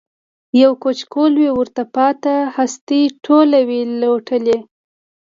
یو کچکول وي ورته پاته هستۍ ټولي وي لوټلي